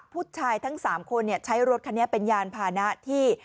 ผู้ชายทั้ง๓คนใช้รถคันนี้เป็นยานพานะที่